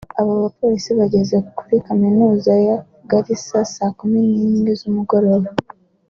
Aba bapolisi bageze kuri Kaminuza ya Garissa saa kumi n’imwe z’umugoroba